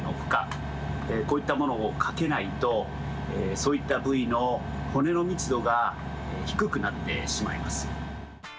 こういったものをかけないとそういったぶいの骨のみつどがひくくなってしまいます。